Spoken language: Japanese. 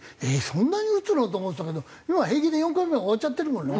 そんなに打つの？と思ってたけど今平気で４回目終わっちゃってるもんな。